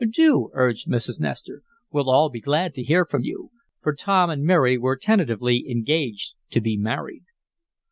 "Do," urged Mrs. Nestor. "We'll all be glad to hear from you," for Tom and Mary were tentatively engaged to be married.